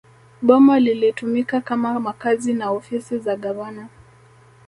Boma lilitumika kama makazi na ofisi za gavana